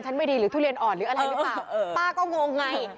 ก็ไม่อบออกเมื่อเชิงแค่นั้นหายไปเขา